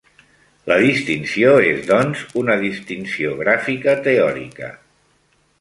La distinció és doncs una distinció gràfica teòrica.